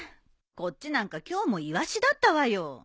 こっちなんか今日もイワシだったわよ。